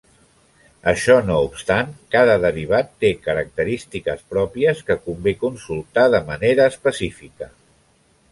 Això no obstant, cada derivat té característiques pròpies que convé consultar de manera específica.